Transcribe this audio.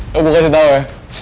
lu gue kasih tau ya